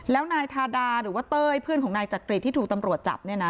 แล้วนายทาดาหรือว่าเต้ยเพื่อนของนายจักริตที่ถูกตำรวจจับเนี่ยนะ